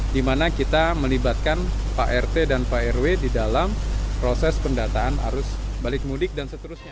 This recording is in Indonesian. di mana kita melibatkan pak rt dan pak rw di dalam proses pendataan arus balik mudik dan seterusnya